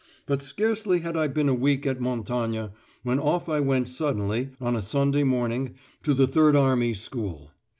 But scarcely had I been a week at Montagne when off I went suddenly, on a Sunday morning, to the Third Army School.